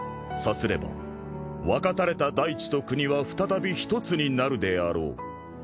さすれば分かたれた大地と国は再び一つになるであろう。